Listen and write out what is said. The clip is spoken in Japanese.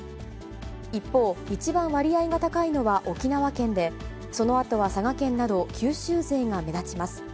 一方、一番割合が高いのは沖縄県で、そのあとは佐賀県など九州勢が目立ちます。